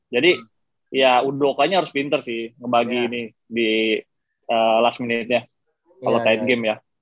jadi ya undokannya harus pinter sih ngebagi ini di last minute nya kalo tight game ya